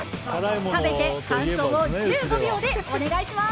食べて感想を１５秒で、お願いします。